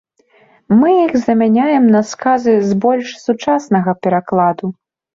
Мы іх замяняем на сказы з больш сучаснага перакладу.